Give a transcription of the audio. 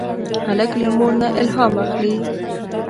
هلک له مور نه الهام اخلي.